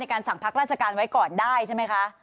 การสั่งพักราชการไว้ก่อนได้ใช่ไหมคะ